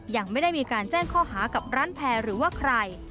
ยังไม่ได้มีการแจ้งข้อหากับร้านแพร่หรือว่าใคร